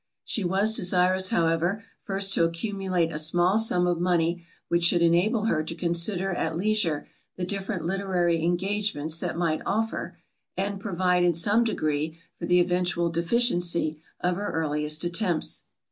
She was desirous however first to accumulate a small sum of money, which should enable her to consider at leisure the different literary engagements that might offer, and provide in some degree for the eventual deficiency of her earliest attempts.